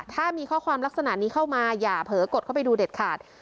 ถ้ามีข้อความลักษณะนี้เข้ามาอย่าเผลอกดเข้าไปดูเด็ดขาด